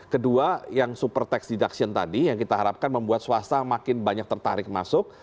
kedua yang super tax deduction tadi yang kita harapkan membuat swasta makin banyak tertarik masuk